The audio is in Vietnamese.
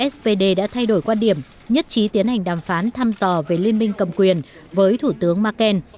spd đã thay đổi quan điểm nhất trí tiến hành đàm phán thăm dò về liên minh cầm quyền với thủ tướng merkel